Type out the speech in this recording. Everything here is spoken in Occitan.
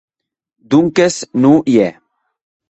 Donques non i é.